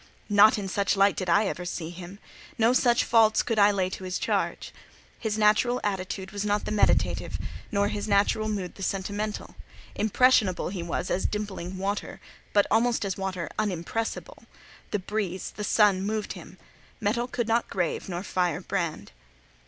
Not in such light did I ever see him: no such faults could I lay to his charge. His natural attitude was not the meditative, nor his natural mood the sentimental; impressionable he was as dimpling water, but, almost as water, unimpressible: the breeze, the sun, moved him—metal could not grave, nor fire brand.